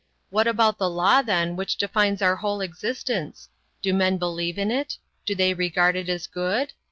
What about the law then which defines our whole existence? Do men believe in it? Do they regard it as good?